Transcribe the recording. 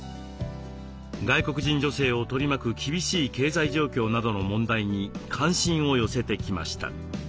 外国人女性を取り巻く厳しい経済状況などの問題に関心を寄せてきました。